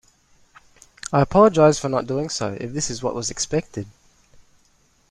I apologize for not doing so if this is what was expected!